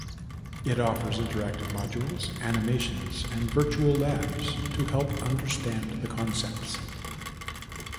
It offers interactive modules, animations, and virtual labs to help understand the concepts.